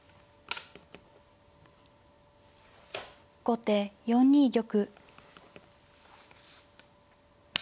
後手４二玉。